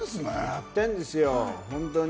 やってるんですよ。